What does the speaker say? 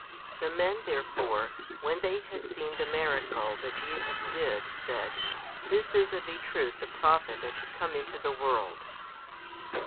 14 The men therefore, when they had seen the miracle that Jesus did, said, This is of a truth the Prophet that should come into the world.